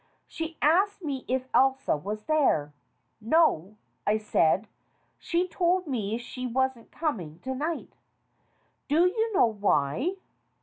She asked me if Elsa was there. "No," I said, "she told me she wasn't coming to night." "Do you know why?"